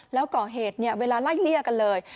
แล้วก่อเหตุเนี่ยเวลาไล่เลี่ยกันเลย